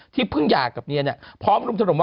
ที่พึ่งอยากกับเมียเนี่ยพร้อมรุม